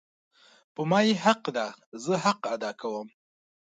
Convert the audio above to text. په ما یی حق ده زه حق ادا کوم